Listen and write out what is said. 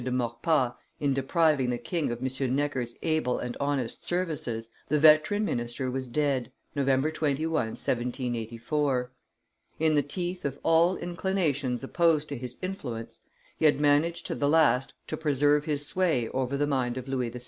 de Maurepas in depriving the king of M. Necker's able and honest services, the veteran minister was dead (November 21, 1784). In the teeth of all inclinations opposed to his influence, he had managed to the last to preserve his sway over the mind of Louis XVI.